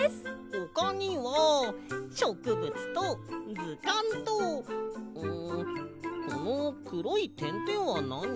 ほかにはしょくぶつとずかんとうんこのくろいてんてんはなに？